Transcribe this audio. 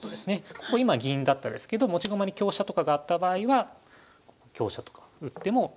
ここ今銀だったですけど持ち駒に香車とかがあった場合は香車とか打ってもいいかなというふうに思います。